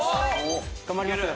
頑張ります。